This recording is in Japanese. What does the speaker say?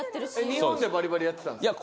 日本でバリバリやってたんですか？